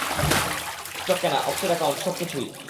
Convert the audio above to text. Stock কেনা, offshore account, সবকিছুই।